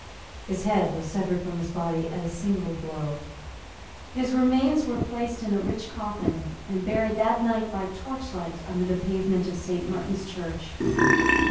His head was severed from his body at a single blow. His remains were placed in a rich coffin, and buried that night, by torchlight, under the pavement of Saint Martin's Church.